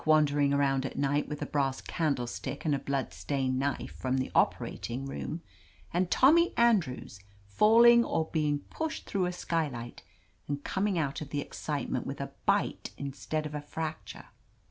wan ; dering around at night with a brass candlestick and a blood stained knife from the operating room, and Tommy Andrews falling or being pushed through a skylight and coming out of the excitement with a bite instead of a fracture